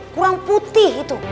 kurang putih itu